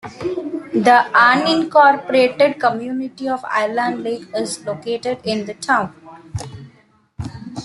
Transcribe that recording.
The unincorporated community of Island Lake is located in the town.